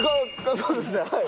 そうですねはい。